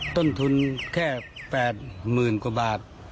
ต้นทุนแค่แปดหมื่นกว่าบาท